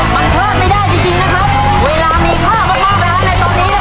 มันเพิ่มไม่ได้จริงจริงนะครับเวลามีค่ามากมากไปแล้วในตอนนี้นะครับ